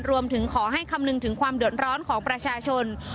รวมถึงขอให้คำนึงถึงความเดือดร้อนของประชาชน